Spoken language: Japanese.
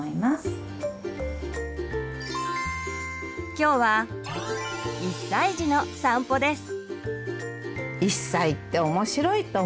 今日は１歳児の散歩です。